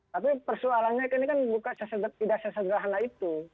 tapi persoalannya kan ini bukan sesedap tidak sesedap